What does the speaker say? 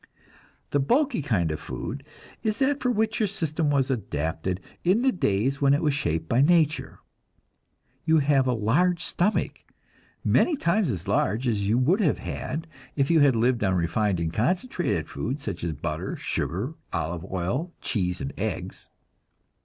The bulky kind of food is that for which your system was adapted in the days when it was shaped by nature. You have a large stomach, many times as large as you would have had if you had lived on refined and concentrated foods such as butter, sugar, olive oil, cheese and eggs.